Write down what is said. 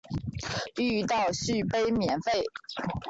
遇到续杯免费